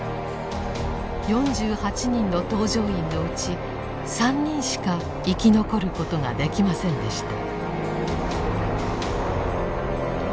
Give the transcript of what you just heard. ４８人の搭乗員のうち３人しか生き残ることができませんでした。